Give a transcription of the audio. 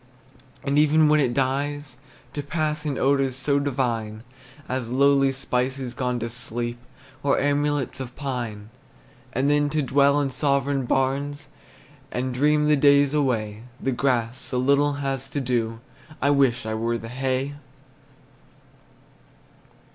And even when it dies, to pass In odors so divine, As lowly spices gone to sleep, Or amulets of pine. And then to dwell in sovereign barns, And dream the days away, The grass so little has to do, I wish I were the hay!